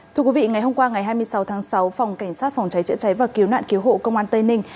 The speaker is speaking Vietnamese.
thưa quý vị ngày hôm qua ngày hai mươi sáu tháng sáu phòng cảnh sát phòng cháy chữa cháy và cứu nạn cứu hộ công an tây ninh